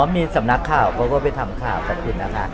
มีสำนักข่าวเขาก็ไปทำข่าวสักทีนะคะ